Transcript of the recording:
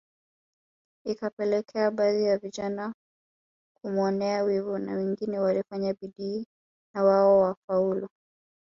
Ikapelekea baadhi ya vijana kumuonea wivu na wengine walifanya bidii na wao wafaulu